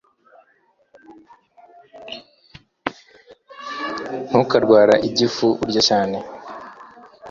Ntukarwara igifu urya cyane.